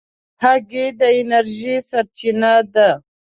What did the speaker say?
هګۍ د انرژۍ سرچینه ده.